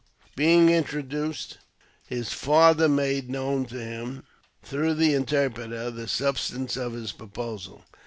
Being introduced, his '' father " made known to him, through the interpreter, the substance of his proposal.